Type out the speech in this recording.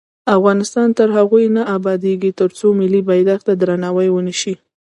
افغانستان تر هغو نه ابادیږي، ترڅو ملي بیرغ ته درناوی ونشي.